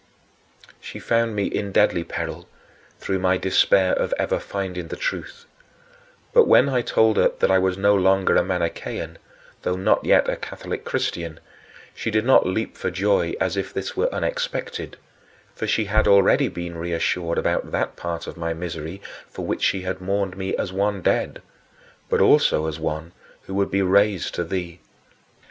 She found me in deadly peril through my despair of ever finding the truth. But when I told her that I was now no longer a Manichean, though not yet a Catholic Christian, she did not leap for joy as if this were unexpected; for she had already been reassured about that part of my misery for which she had mourned me as one dead, but also as one who would be raised to thee.